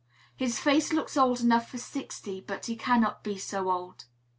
His face looks old enough for sixty years; but he cannot be so old.